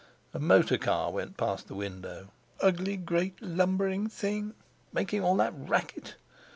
A motor car went past the window. Ugly great lumbering thing, making all that racket!